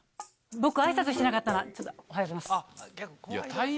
僕あいさつしてなかったなおはようございます。